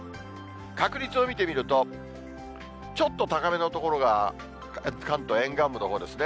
確率を見てみると、ちょっと高めの所が、関東沿岸部のほうですね。